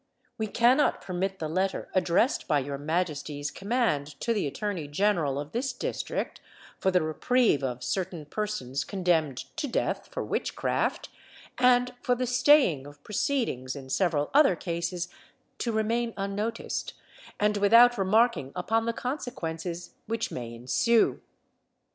We cannot permit the letter addressed by your majesty's command to the attorney general of this district, for the reprieve of certain persons condemned to death for witchcraft, and for the staying of proceedings in several other cases, to remain unnoticed, and without remarking upon the consequences which may ensue.